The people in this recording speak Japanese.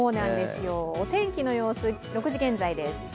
お天気の様子、６時現在です。